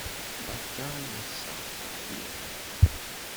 Beṛka i wass-a. ɛyiɣ.